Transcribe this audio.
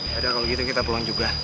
yaudah kalau gitu kita pulang juga